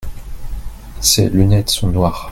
Ses lunettes sont noires.